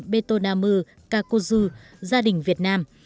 bê tô na mư ca cô du gia đình việt nam